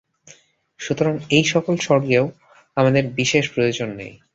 সুতরাং এই-সকল স্বর্গেও আমাদের বিশেষ প্রয়োজন নাই।